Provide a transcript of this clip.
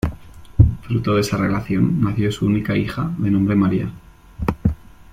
Fruto de esa relación, nació su única hija, de nombre María.